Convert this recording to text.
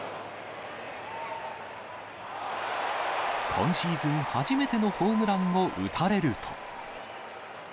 今シーズン初めてのホームランを打たれると。